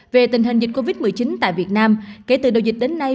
về tình hình dịch covid một mươi chín tại việt nam kể từ đầu dịch đến nay